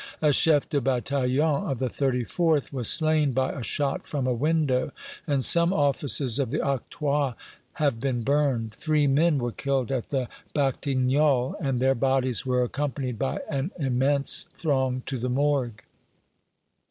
A chef de bataillon of the 34th was slain by a shot from a window, and some offices of the Octroi have been burned. Three men were killed at the Batignolles, and their bodies were accompanied by an immense throng to the Morgue."